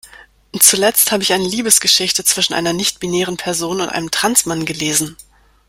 Zuletzt habe ich eine Liebesgeschichte zwischen einer nichtbinären Person und einem Trans-Mann gelesen.